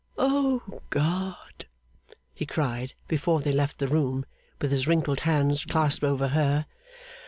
'O God,' he cried, before they left the room, with his wrinkled hands clasped over her.